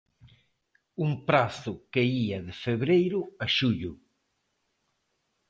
Un prazo que ía de febreiro a xullo.